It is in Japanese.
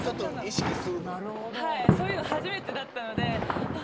そういうの初めてだったので。